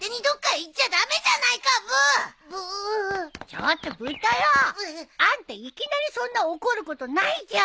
ちょっとブー太郎。あんたいきなりそんな怒ることないじゃん！